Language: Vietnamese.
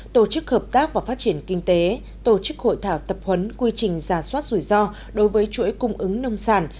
tổ chức hợp tác và phát triển kinh tế tổ chức hội thảo tập huấn quy trình giả soát rủi ro đối với chuỗi cung ứng nông sản